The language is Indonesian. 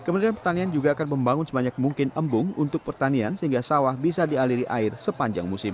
kementerian pertanian juga akan membangun sebanyak mungkin embung untuk pertanian sehingga sawah bisa dialiri air sepanjang musim